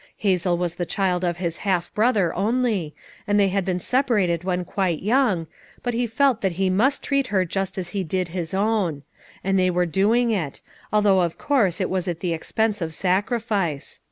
Hazel was the child of his half brother only, and they had been separated when quite young, but he felt that he must treat 260 FOUK MOTHERS AT CHAUTAUQUA her just as be did Ms own; and they were doing it ; although of course it was at the expense of sacrifice.